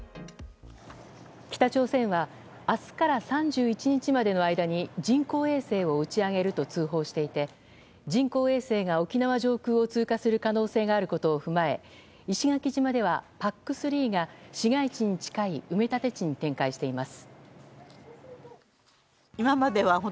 北朝鮮は明日から３１日までの間に人工衛星を打ち上げると通報していて人工衛星が沖縄上空を通過する可能性があることを踏まえ石垣島ではＰＡＣ３が市街地に近い埋め立て地に展開しています。